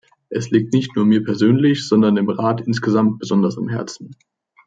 Es liegt nicht nur mir persönlich, sondern dem Rat insgesamt besonders am Herzen.